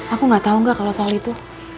aku gak tau gak kalau soal itu